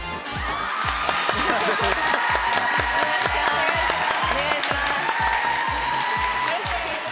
お願いします。